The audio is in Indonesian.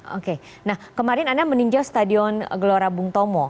oke nah kemarin anda meninjau stadion gelora bung tomo